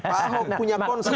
pak ahok punya ponsel